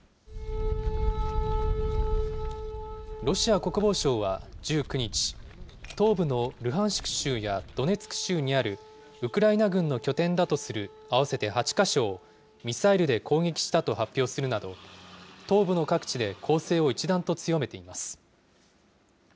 ロシア国防省は１９日、東部のルハンシク州やドネツク州にあるウクライナ軍の拠点だとする合わせて８か所を、ミサイルで攻撃したと発表するなど、東部の各地で攻勢を一段と強めています。